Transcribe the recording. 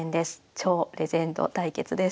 超レジェンド対決です。